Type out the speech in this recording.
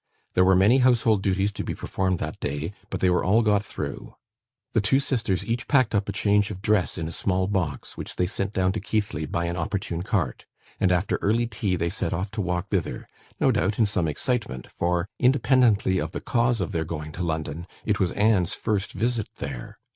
There were many household duties to be performed that day; but they were all got through. The two sisters each packed up a change of dress in a small box, which they sent down to Keighley by an opportune cart; and after early tea they set off to walk thither no doubt in some excitement; for, independently of the cause of their going to London, it was Anne's first visit there.